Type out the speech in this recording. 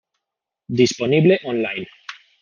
Disponible online.